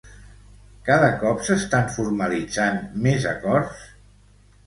Cada cop s'estan formalitzant més acords?